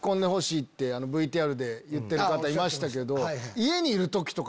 ＶＴＲで言ってる方いましたけど。